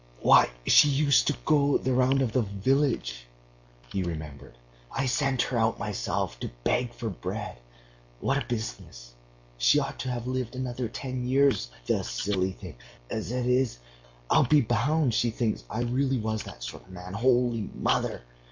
"Why, she used to go the round of the village," he remembered. "I sent her out myself to beg for bread. What a business! She ought to have lived another ten years, the silly thing; as it is I'll be bound she thinks I really was that sort of man.... Holy Mother!